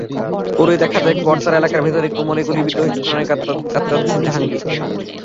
পরে দেখা যায়, কোয়ার্টার এলাকার ভেতরে কোমরে গুলিবিদ্ধ হয়ে যন্ত্রণায় কাতরাচ্ছেন জাহাঙ্গীর।